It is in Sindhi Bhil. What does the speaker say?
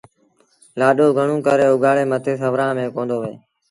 لآڏو گھڻوݩ ڪري اُگھآڙي مٿي سُورآݩ ميݩ ڪوندو وهي